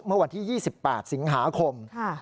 เมื่อวันที่๒๘สิงหาคม